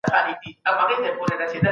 د کرامت او عزت مسله ډیره مهمه ده.